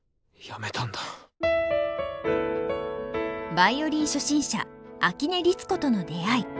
ヴァイオリン初心者秋音律子との出会い。